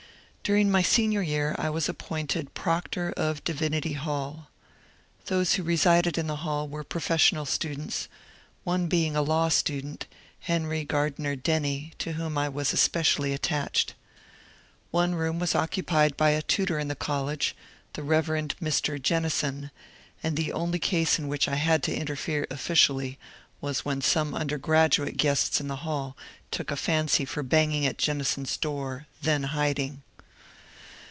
During my Senior year I was appointed proctor of Divin ity Hall. Those who resided in the Hall were professional students, one being a law student, Henry Gardiner Denny, to whom I was especially attached. One room was occupied by a tutor in the college, the Bev. Mr. Jennison, and the only case in which I had to interfere officially vras when some undergraduate guests in the Hall took a fancy for banging at Jennison's door, then hiding.